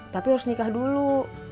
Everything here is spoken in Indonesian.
tapi harus nikah dulu